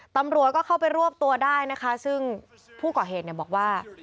ตำรวจก็เข้าไปรวบตัวได้นะคะซึ่งผู้ก่อเหตุเนี่ยบอกว่า